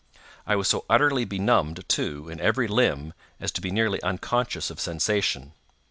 I was so utterly benumbed, too, in every limb, as to be nearly unconscious of sensation.